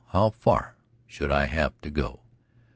How far should I have to go?